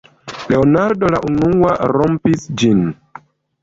Leonardo la unua rompis ĝin: